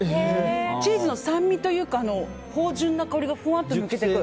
チーズの酸味というか芳醇な香りがふわっと抜けて。